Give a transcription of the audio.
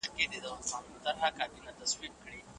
د معیاري لیکنې رعایت ضروري دی.